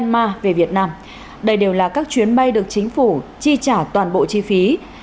cho các cơ quan đại diện việt nam điều này đều là các chuyến bay được chính phủ chi trả cho các cơ quan đại diện việt nam